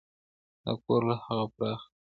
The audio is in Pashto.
دا کور له هغه پراخ دی.